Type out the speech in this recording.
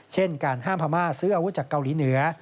เช่นการห้ามพม่าซื้ออาวุธจากเกาหลีเหนือ